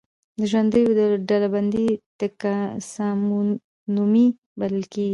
د ژویو ډلبندي ټکسانومي بلل کیږي